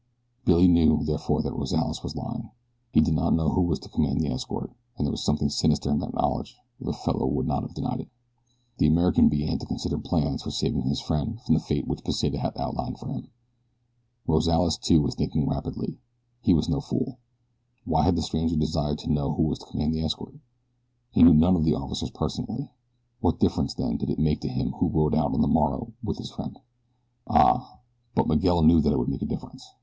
Billy knew, therefore, that Rozales was lying. He did know who was to command the escort, and there was something sinister in that knowledge or the fellow would not have denied it. The American began to consider plans for saving his friend from the fate which Pesita had outlined for him. Rozales, too, was thinking rapidly. He was no fool. Why had the stranger desired to know who was to command the escort? He knew none of the officers personally. What difference then, did it make to him who rode out on the morrow with his friend? Ah, but Miguel knew that it would make a difference.